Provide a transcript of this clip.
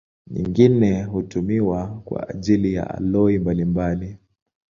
Nyingine hutumiwa kwa ajili ya aloi mbalimbali.